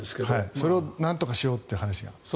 そこをなんとかしようという話が出てきます。